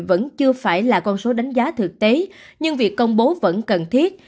vẫn chưa phải là con số đánh giá thực tế nhưng việc công bố vẫn cần thiết